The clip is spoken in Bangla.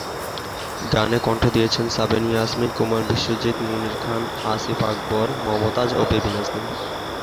গানে কণ্ঠ দিয়েছেন সাবিনা ইয়াসমিন, কুমার বিশ্বজিৎ, মনির খান, আসিফ আকবর, মমতাজ, ও বেবি নাজনীন।